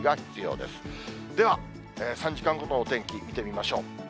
では、３時間ごとの天気、見てみましょう。